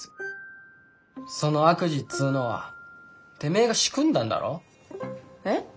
その悪事っつうのはてめえが仕組んだんだろ？え？